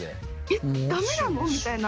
えっダメなの？みたいな。